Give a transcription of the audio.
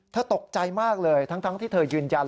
ตกใจมากเลยทั้งที่เธอยืนยัน